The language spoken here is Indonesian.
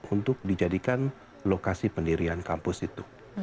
untuk dijadikan lokasi pendirian kampus itu